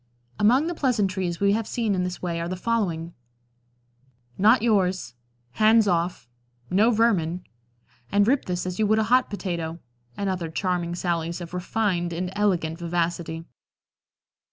Among the pleasantries we have seen in this way are the following: "Not yours," "Hands off," "No vermin," and "Rip this as you would a hot potato," and other charming sallies of refined and elegant vivacity.